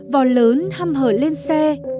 vò lớn hâm hở lên xe